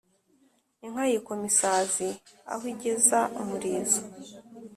Inka yikoma isazi aho igeza umurizo.